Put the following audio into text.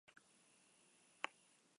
Tiene muchos usos tradicionales.